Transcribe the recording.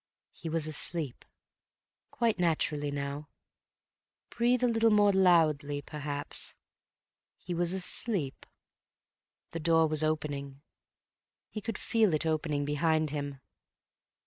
He was asleep. Quite naturally now. Breathe a little more loudly, perhaps. He was asleep.... The door was opening. He could feel it opening behind him....